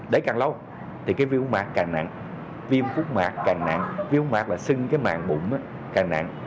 đấy càng lâu thì cái viêm phúc mạc càng nặng viêm phúc mạc càng nặng viêm phúc mạc là sưng cái màn bụng càng nặng